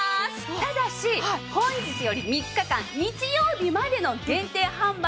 ただし本日より３日間日曜日までの限定販売となっております。